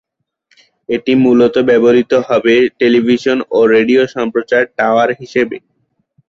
এটি মূলত ব্যবহৃত হবে টেলিভিশন ও রেডিও সম্প্রচার টাওয়ার হিসেবে।